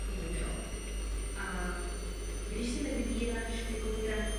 Existuje něco absurdnějšího?